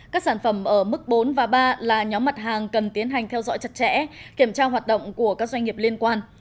các sản phẩm ở mức bốn và ba là nhóm mặt hàng cần tiến hành theo dõi chặt chẽ kiểm tra hoạt động của các doanh nghiệp liên quan